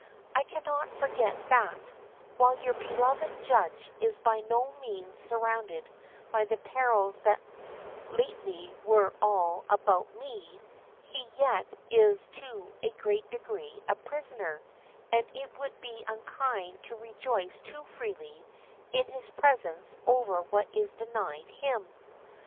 I cannot forget that, while your beloved judge is by no means surrounded by the perils that lately were all about me, he yet is to a great degree a prisoner, and it would be unkind to re joice too freely in his presence over what is denied him.